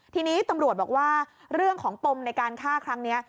ทีนี้ตำรวจบอกว่าเรื่องของปมในการฆ่าครั้งนี้